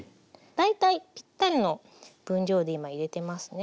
大体ぴったりの分量で今入れてますね。